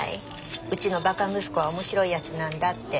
うちのばか息子は面白いやつなんだって。